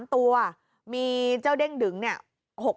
๓ตัวมีเจ้าเด้งดึงเนี่ย